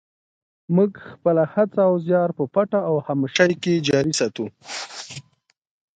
موږ خپله هڅه او زیار په پټه او خاموشۍ کې جاري ساتو.